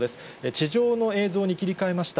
地上の映像に切り替えました。